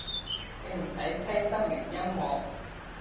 你唔使聽得明音樂